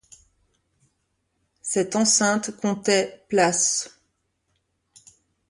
Cette enceinte comptait places.